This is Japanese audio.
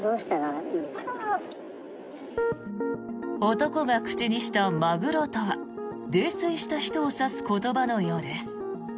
男が口にしたまぐろとは泥酔した人を指す言葉のようです。